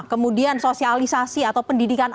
kemudian sosialisasi atau pendidikan